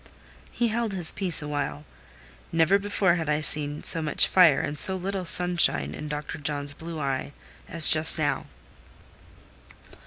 He held his peace awhile. Never before had I seen so much fire, and so little sunshine in Dr. John's blue eye as just now.